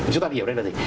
chúng ta hiểu đây là gì